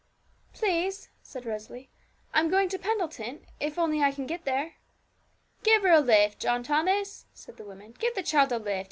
'Please,' said Rosalie, 'I'm going to Pendleton, if only I can get there.' 'Give her a lift, John Thomas,' said the woman; 'give the child a lift.